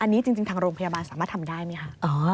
อันนี้จริงทางโรงพยาบาลสามารถทำได้ไหมคะ